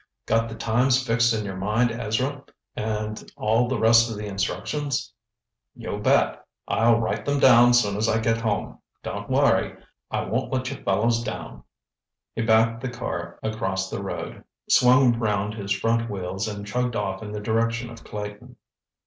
"Got the times fixed in your mind, Ezra, and all the rest of the instructions?" "You bet. I'll write them down soon as I get home. Don't worry, I won't let you fellows down." He backed the car across the road, swung round his front wheels and chugged off in the direction of Clayton.